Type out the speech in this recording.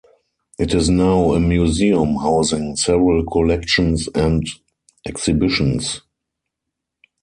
It is now a museum housing several collections and exhibitions.